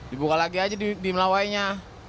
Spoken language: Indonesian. dibuka lagi aja di melawai nya